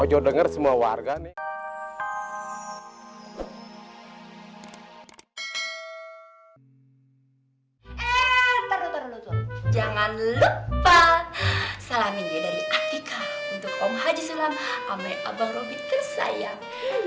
jangan lupa salamin ya dari atika untuk om haji salam ame abang robi tersayang